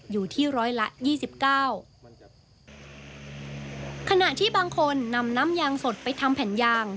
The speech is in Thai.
อยู่ที่ร้อยละยี่สิบเก้าขณะที่บางคนนำน้ำยางสดไปทำแผ่นยาง